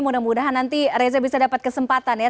mudah mudahan nanti reza bisa dapat kesempatan ya